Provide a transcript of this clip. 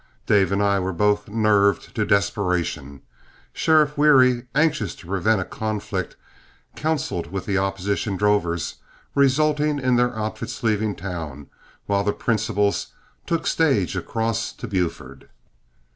Dave and I were both nerved to desperation; Sheriff Wherry, anxious to prevent a conflict, counciled with the opposition drovers, resulting in their outfits leaving town, while the principals took stage across to Buford.